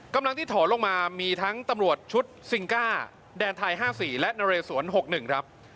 กำลังที่ถอนลงมามีทั้งตำรวจชุดซิงก้าแดนไทย๕๔และนเรสวน๖๑ครับ